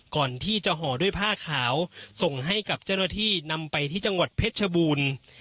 ก่อนที่จะห่อด้วยผ้าขาวส่งให้กับเจ้าหน้าที่นำไปที่จังหวัดเพชรชบูรณ์